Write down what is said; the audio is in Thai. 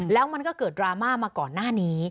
แล้วมันก็เกิดดราม่ามาก่อนหน้านี้